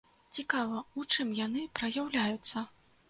Цікава, у чым яны праяўляюцца?